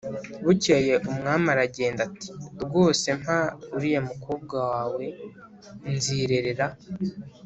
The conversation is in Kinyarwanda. bukeye umwami aragenda ati ‘rwose mpa uriya mukobwa wawe nzirerera.